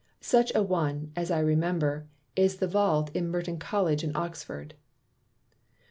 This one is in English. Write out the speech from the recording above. Such an one (as I remember) is the Vault in Merton College in Oxford. 4.